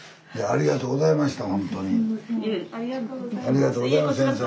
ありがとうございました先生。